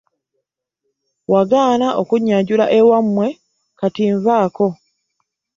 Wagaana okunnyanjula ewammwe kati nvaako.